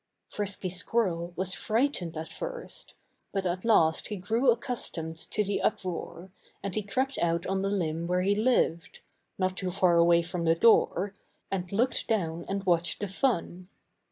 Frisky Squirrel was frightened at first. But at last he grew accustomed to the uproar, and he crept out on the limb where he lived not too far away from the door and looked down and watched the fun.